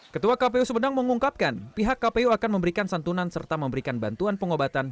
ketua kpu sumedang mengungkapkan pihak kpu akan memberikan santunan serta memberikan bantuan pengobatan